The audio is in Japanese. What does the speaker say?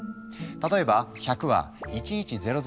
例えば「１００」は「１１００１００」。